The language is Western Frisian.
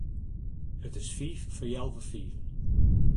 It is fiif foar healwei fiven.